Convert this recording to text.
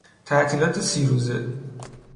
تعطیلات سی روزه